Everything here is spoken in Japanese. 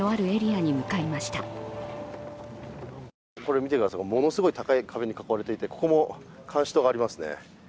見てください、ものすごい高い壁に囲まれていてここも監視塔がありますね。